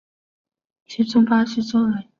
其中巴西作为主办国自动晋级。